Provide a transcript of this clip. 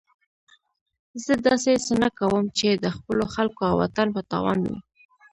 زه داسې څه نه کوم چې د خپلو خلکو او وطن په تاوان وي.